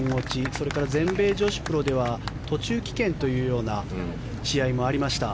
それから全米女子プロでは途中棄権という試合もありました。